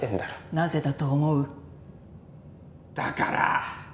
なぜだと思う？だから！